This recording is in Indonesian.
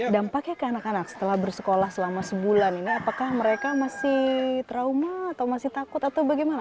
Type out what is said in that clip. dampaknya ke anak anak setelah bersekolah selama sebulan ini apakah mereka masih trauma atau masih takut atau bagaimana